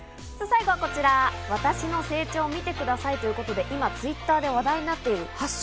さぁ最後はこちら、私の成長を見てくださいということで、今、Ｔｗｉｔｔｅｒで話題になっている、「＃